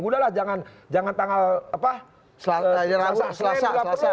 udah lah jangan tanggal selasa